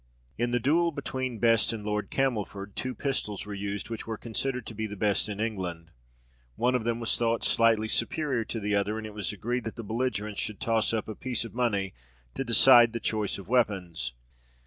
In the duel between Best and Lord Camelford, two pistols were used which were considered to be the best in England. One of them was thought slightly superior to the other, and it was agreed that the belligerents should toss up a piece of money to decide the choice of weapons.